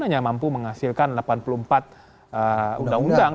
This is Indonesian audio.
hanya mampu menghasilkan delapan puluh empat undang undang